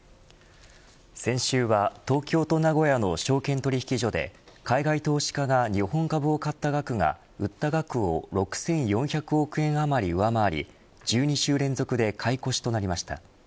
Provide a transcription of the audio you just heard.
先週は東京と名古屋の証券取引所で海外投資家が日本株を買った額が売った額を６４００億円余り上回り１２週連続で買い越しとなりました。